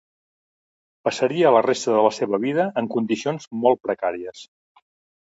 Passaria la resta de la seva vida en condicions molt precàries.